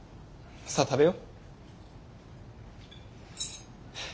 さあ食べよ。